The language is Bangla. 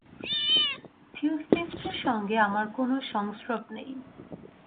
থিওসফিষ্টের সঙ্গে আমার কোন সংস্রব নেই।